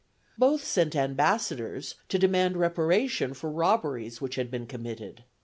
Both sent ambassadors to demand reparation for robberies which had been committed.